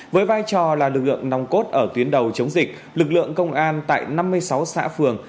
với vai trò là lực lượng nòng cốt ở tuyến đầu chống dịch lực lượng công an tại năm mươi sáu xã phường